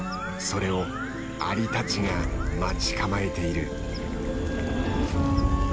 それをアリたちが待ち構えている。